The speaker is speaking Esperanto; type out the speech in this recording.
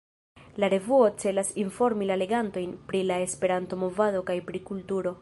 La revuo celas informi la legantojn pri la Esperanto-movado kaj pri kulturo.